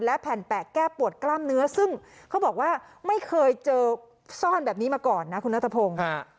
และแผ่นแปะแก้ปวดกล้ามเนื้อซึ่งเขาบอกว่าไม่เคยเจอซ่อนแบบนี้มาก่อนนะคุณนัทพงศ์